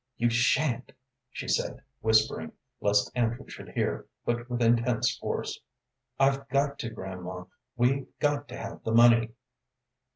"You sha'n't!" she said, whispering, lest Andrew should hear, but with intense force. "I've got to, grandma. We've got to have the money."